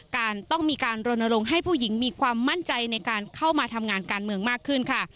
การต้องมีการรณรงค์ให้ผู้หญิงมีความมั่นใจในการเข้ามาทำงานการเมืองมากขึ้นค่ะ